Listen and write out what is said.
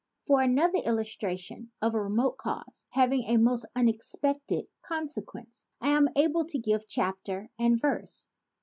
For another illustration of a remote cause having a most unexpected consequence, I am able to give chapter and verse.